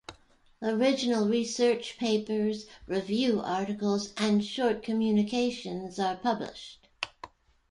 Original research papers, review articles and short communications are published.